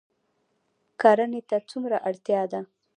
کرنې ته څومره اړتیا ده؟